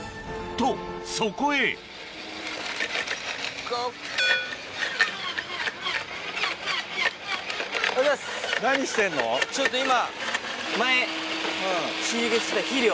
とそこへちょっと今。